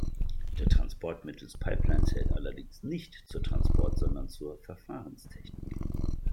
Der Transport mittels Pipeline zählt allerdings "nicht" zur Transport-, sondern zur Verfahrenstechnik.